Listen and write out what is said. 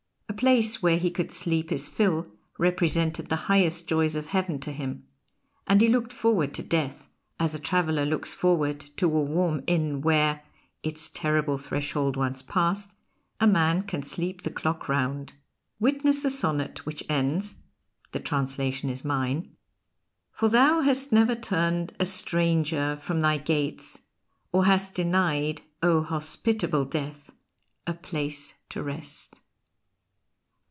A place where he could sleep his fill represented the highest joys of Heaven to him; and he looked forward to Death as a traveller looks forward to a warm inn where (its terrible threshold once passed), a man can sleep the clock round. Witness the sonnet which ends (the translation is mine): For thou has never turned A stranger from thy gates or hast denied, O hospitable Death, a place to rest.